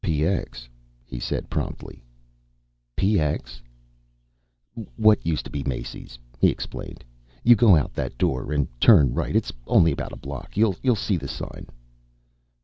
"PX," he said promptly. "PX?" "What used to be Macy's," he explained. "You go out that door and turn right. It's only about a block. You'll see the sign."